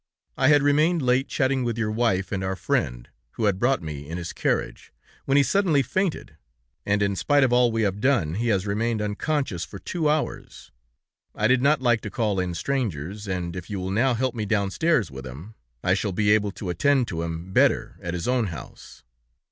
I had remained late, chatting with your wife and our friend, who had brought me in his carriage, when he suddenly fainted, and in spite of all we have done, he has remained unconscious for two hours. I did not like to call in strangers, and if you will now help me downstairs with him, I shall be able to attend to him better at his own house.'